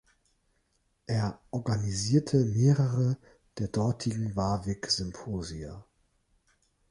Er organisierte mehrere der dortigen Warwick-Symposia.